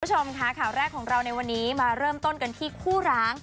คุณผู้ชมค่ะข่าวแรกของเราในวันนี้มาเริ่มต้นกันที่คู่ร้าง